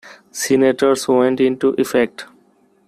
Senators went into effect.